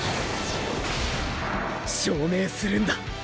証明するんだ！！